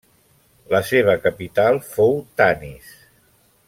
La seva capital fou Tanis.